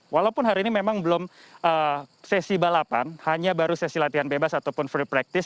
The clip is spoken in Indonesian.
walaupun hari ini memang belum sesi balapan hanya baru sesi latihan bebas ataupun free practice